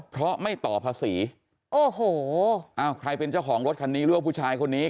เพราะไม่ต่อภาษีโอ้โหอ้าวใครเป็นเจ้าของรถคันนี้หรือว่าผู้ชายคนนี้